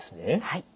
はい。